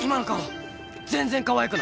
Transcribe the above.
全然かわいくない。